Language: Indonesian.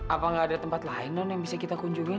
apa nggak ada tempat lain non yang bisa kita kunjungin